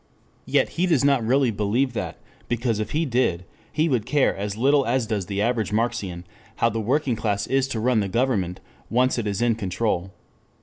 Yet he does not really believe that, because if he did, he would care as little as does the average Marxian how the working class is to run the government, once it is in control.